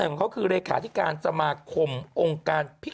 นี่ไง